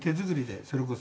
それこそ。